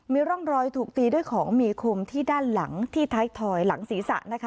มีร่องรอยถูกตีด้วยของมีคมที่ด้านหลังที่ท้ายถอยหลังศีรษะนะคะ